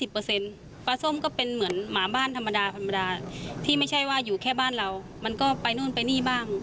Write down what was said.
ปลาส้มปลาส้มก็เป็นเหมือนหมาบ้านธรรมดาธรรมดาที่ไม่ใช่ว่าอยู่แค่บ้านเรามันก็ไปนู่นไปนี่บ้าง